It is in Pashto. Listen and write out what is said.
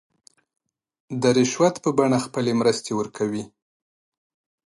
د رشوت په بڼه خپلې مرستې ورکوي.